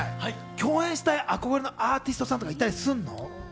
共演したい憧れのアーティストさんとかいたりすんの？